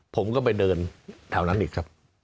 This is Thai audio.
ผมก็ไปเดินแถวนั้นอีกครับ